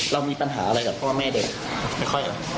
เรามีปัญหาอะไรกับพ่อแม่เด็ก